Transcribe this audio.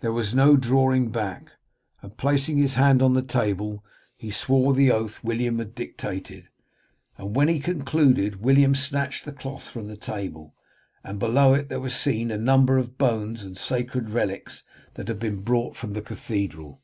There was no drawing back, and placing his hand on the table he swore the oath William had dictated. When he concluded William snatched the cloth from the table, and below it were seen a number of bones and sacred relics that had been brought from the cathedral.